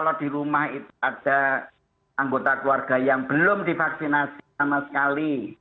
kalau di rumah itu ada anggota keluarga yang belum divaksinasi sama sekali